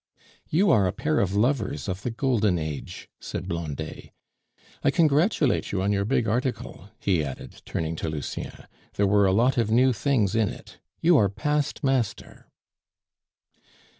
"You are a pair of lovers of the Golden Age," said Blondet. "I congratulate you on your big article," he added, turning to Lucien. "There were a lot of new things in it. You are past master!"